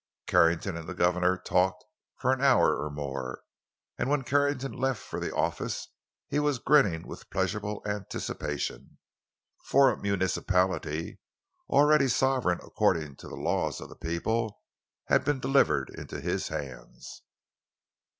Carrington and the governor talked for an hour or more, and when Carrington left for the office he was grinning with pleasurable anticipation. For a municipality, already sovereign according to the laws of the people, had been delivered into his hands.